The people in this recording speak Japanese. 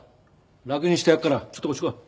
楽にしてやっからちょっとこっち来い。